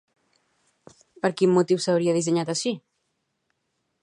Per quin motiu s'hauria dissenyat així?